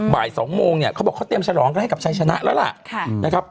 บ่ายสองโมงเนี่ยเขาบอกเขาเตรียมฉลองให้กับชัยชนะแล้วล่ะ